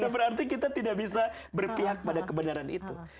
berarti kita tidak bisa berpihak pada kebenaran itu